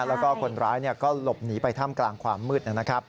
แล้วก็คนร้ายก็หลบหนีไปถ้ำกลางความมืดนะครับ